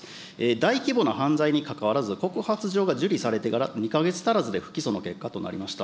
大規模な犯罪にかかわらず、告発状が受理されてから２か月足らずで不起訴の結果となりました。